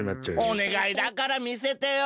おねがいだからみせてよ。